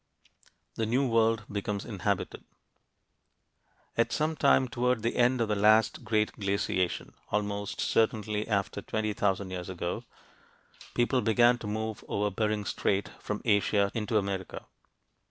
THE NEW WORLD BECOMES INHABITED At some time toward the end of the last great glaciation almost certainly after 20,000 years ago people began to move over Bering Strait, from Asia into America.